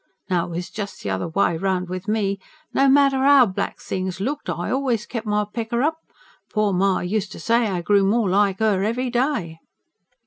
Now it was just the other way round with me. No matter how black things looked, I always kept my pecker up. Poor ma used to say I grew more like her, every day."